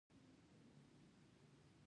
د هنر مینه د هغه په زړه کې ریښې وکړې